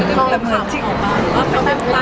กล้องอะไรแต่มันจริงหรือเปล่า